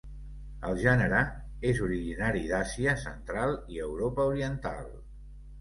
El gènere és originari d'Àsia Central i Europa oriental.